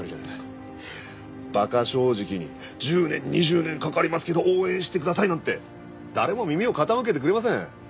馬鹿正直に１０年２０年かかりますけど応援してくださいなんて誰も耳を傾けてくれません。